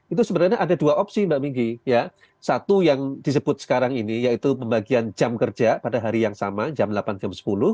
itu sebenarnya ada dua opsi mbak minggi satu yang disebut sekarang ini yaitu pembagian jam kerja pada hari yang sama jam delapan jam sepuluh